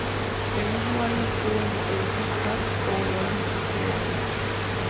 El mismo año actuó en "The Hidden Hand" en el Olympic Theatre.